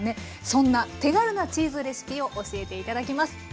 そんな手軽なチーズレシピを教えて頂きます。